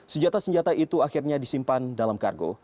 senjata senjata itu akhirnya disimpan dalam kargo